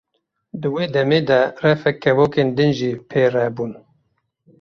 Di wê demê de refek kevokên din jî pê re bûn.